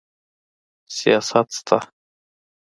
سیاست سته.